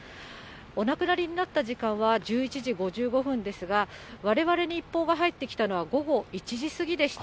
お亡くなりになった時間は１１時５５分ですが、われわれに一報が入ってきたのは、午後１時過ぎでした。